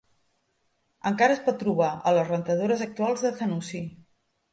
Encara es pot trobar a les rentadores actuals de Zanussi.